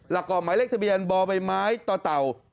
หลักเกาะหมายเลขทะเบียนบบตต๖๑๖๙